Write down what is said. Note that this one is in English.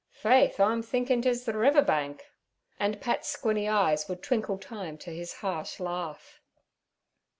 Faith, I'm thinkin' 'tis the river bank.' And Pat's squinny eyes would twinkle time to his harsh laugh.